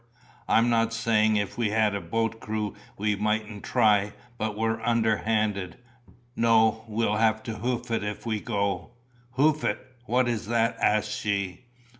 I'm not saying if we had a boat crew we mightn't try, but we're under handed. No, we'll have to hoof it if we go." "Hoof it what is that?" asked she.